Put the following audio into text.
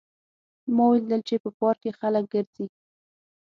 ما ولیدل چې په پارک کې خلک ګرځي